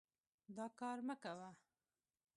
دا کار مه کوه.